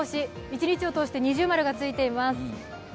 一日を通して二重丸がついています。